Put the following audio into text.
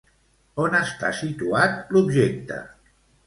On està situat l'objecte?